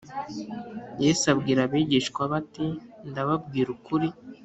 Yesu abwira abigishwa be ati Ndababwira ukuri